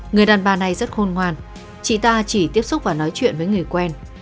người đàn bà này rất khôn ngoan chị ta chỉ tiếp xúc và nói chuyện với người quen